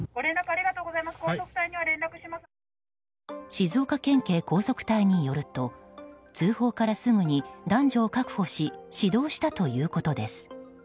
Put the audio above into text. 静岡県警高速隊によると通報からすぐに男女を確保し指導したということです。